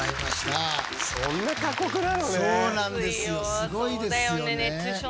すごいですよね。